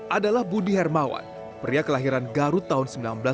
adalah budi hermawan pria kelahiran garut tahun seribu sembilan ratus sembilan puluh